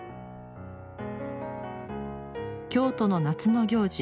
京都の夏の行事